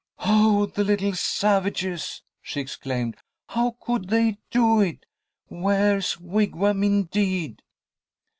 "Oh, the little savages!" she exclaimed. "How could they do it? Ware's Wigwam, indeed!"